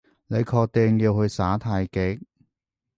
你確定要去耍太極？